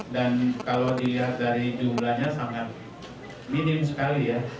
dan kalau dilihat dari jumlahnya sangat minim sekali ya